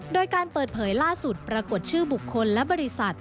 โดยการเปิดเผยล่าสุดปรากฏชื่อบุคคลและบริษัท